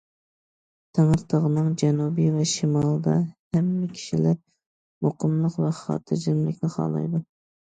تەڭرىتاغنىڭ جەنۇبى ۋە شىمالىدا، ھەممە كىشىلەر مۇقىملىق ۋە خاتىرجەملىكنى خالايدۇ.